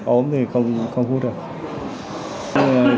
ổn thì không hút được